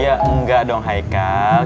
ya enggak dong haikal